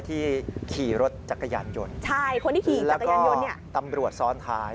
ที่ขี่รถจักรยานยนต์แล้วก็ตำรวจซ้อนท้าย